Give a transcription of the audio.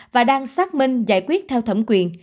và đang xác minh giải quyết theo thẩm quyền